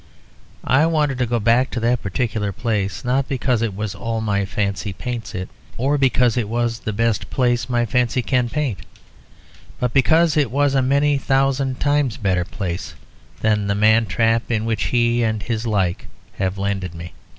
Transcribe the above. I want to go back to that particular place, not because it was all my fancy paints it, or because it was the best place my fancy can paint; but because it was a many thousand times better place than the man trap in which he and his like have landed me.